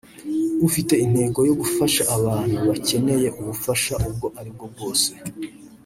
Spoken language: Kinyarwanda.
ufite intego yo gufasha abantu bakeneye ubufasha ubwo ari bwo bwose